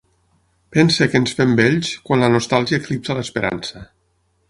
Pense que ens fem vells quan la nostàlgia eclipsa l'esperança.